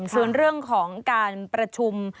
ส่วนเรื่องของการประชุม